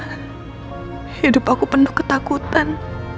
hidup aku penuh ketakutan